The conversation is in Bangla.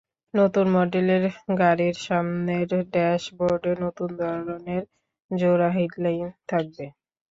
নতুন মডেলের গাড়ির সামনের ড্যাশ বোর্ডে নতুন ধরনের জোড়া হেডলাইট থাকবে।